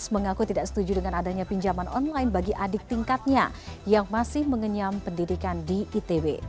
mengaku tidak setuju dengan adanya pinjaman online bagi adik tingkatnya yang masih mengenyam pendidikan di itb